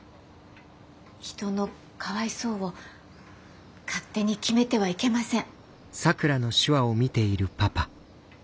人の「かわいそう」を勝手に決めてはいけません。